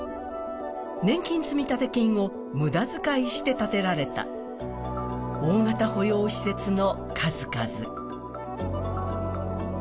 年金積立金を無駄遣いして建てられた、大型保養施設の数々。